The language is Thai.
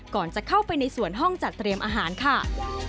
ก่อนจะเข้าไปในส่วนห้องจัดเตรียมอาหารค่ะ